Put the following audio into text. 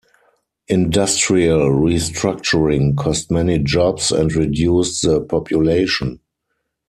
Industrial restructuring cost many jobs and reduced the population.